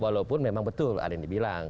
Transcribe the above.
walaupun memang betul ada yang dibilang